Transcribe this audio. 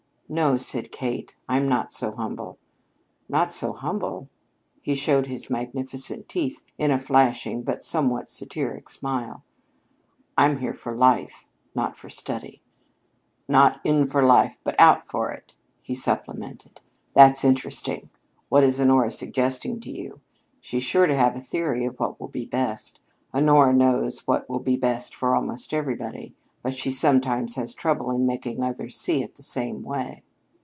"No," said Kate; "I'm not so humble." "Not so humble?" He showed his magnificent teeth in a flashing but somewhat satiric smile. "I'm here for Life not for study." "Not 'in for life,' but 'out' for it," he supplemented. "That's interesting. What is Honora suggesting to you? She's sure to have a theory of what will be best. Honora knows what will be best for almost everybody, but she sometimes has trouble in making others see it the same way."